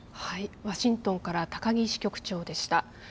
ワシントンから高木支局長でした。